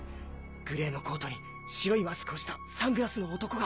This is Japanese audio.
グレーのコートに白いマスクをしたサングラスの男が。